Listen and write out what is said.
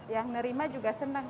yang nerima juga senang